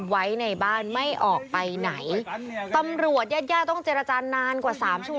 ไว้ในบ้านไม่ออกไปไหนตำรวจญาติย่าต้องเจรจานานกว่าสามชั่ว